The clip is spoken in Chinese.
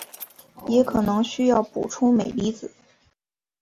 也可能需要补充镁离子。